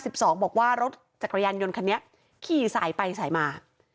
บอกว่ารถจักรยานยนต์คันนี้ขี่สายไปสายมา